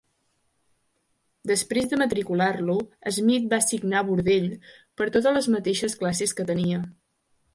Després de matricular-lo, Smith va signar Burdell per totes les mateixes classes que tenia.